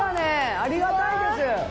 ありがたいです。